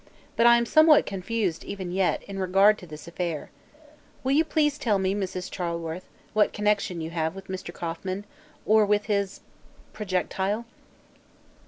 But I am somewhat confused, even yet, in regard to this affair. Will you please tell me, Mrs. Charleworth, what connection you have with Mr. Kauffman, or with his projectile?"